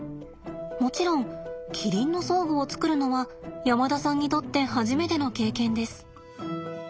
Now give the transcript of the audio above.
もちろんキリンの装具を作るのは山田さんにとって初めての経験です。